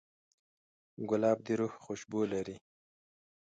ګلاب د روح خوشبو لري.